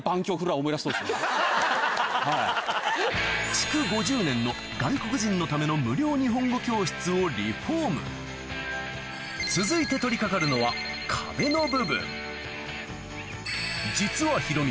築５０年の外国人のための無料日本語教室をリフォーム続いて実はヒロミ